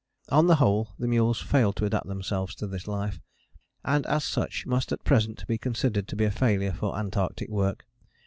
" On the whole the mules failed to adapt themselves to this life, and as such must at present be considered to be a failure for Antarctic work.